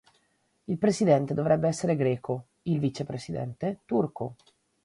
Il Presidente dovrebbe essere greco, il vicepresidente turco.